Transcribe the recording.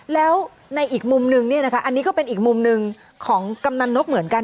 แล้วในอีกมุมนึงเนี่ยนะคะอันนี้ก็เป็นอีกมุมหนึ่งของกำนันนกเหมือนกัน